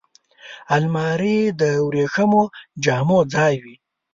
الماري د وریښمو جامو ځای وي